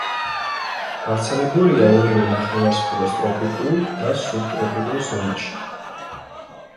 გავრცელებულია ორივე ნახევარსფეროს ტროპიკულ და სუბტროპიკულ ზონაში.